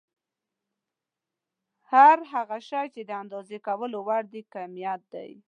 هر هغه شی چې د اندازه کولو وړ وي کميت دی.